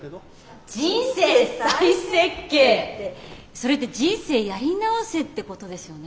それって人生やり直せってことですよね。